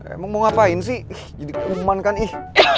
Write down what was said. emang mau ngapain sih jadi cuman kan ih